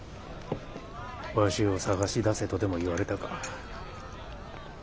わしを捜し出せとでも言われたか？